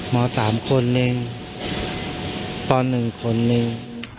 ม๓คนหนึ่งป๑คนหนึ่ง